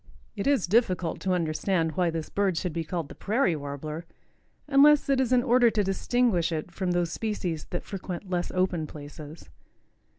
It is difficult to understand why this bird should be called the Prairie Warbler, unless it is in order to distinguish it from those species that frequent less open places.